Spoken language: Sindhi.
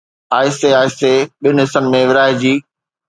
، آهستي آهستي ٻن حصن ۾ ورهائجي.